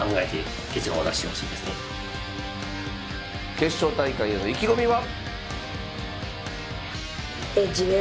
決勝大会への意気込みは？